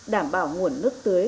đảm bảo nguồn nước tưới